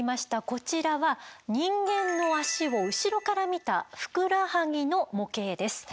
こちらは人間の脚を後ろから見た「ふくらはぎ」の模型です。